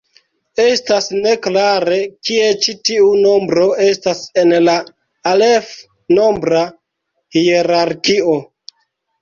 Estas ne klare kie ĉi tiu nombro estas en la alef-nombra hierarkio.